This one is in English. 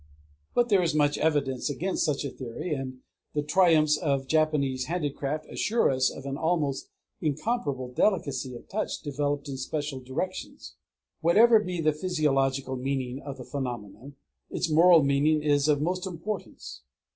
But there is much evidence against such a theory; and the triumphs of Japanese handicraft assure us of an almost incomparable delicacy of touch developed in special directions. Whatever be the physiological meaning of the phenomenon, its moral meaning is of most importance.